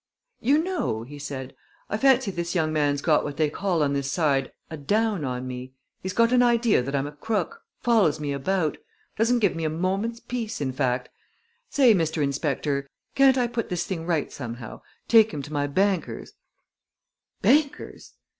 "You know," he said, "I fancy this young man's got what they call on this side a 'down' on me! He's got an idea that I'm a crook follows me about; doesn't give me a moment's peace, in fact. Say, Mr. Inspector, can't I put this thing right somehow take him to my banker's " "Banker's!"